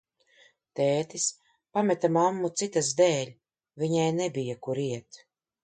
Tētis pameta mammu citas dēļ, viņai nebija, kur iet.